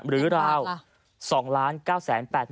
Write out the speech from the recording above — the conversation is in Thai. หรือเรา๒๙๘๐๐๐๐ล้านบาท